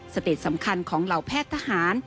สติสำคัญของเหล่าแพทย์ทหาร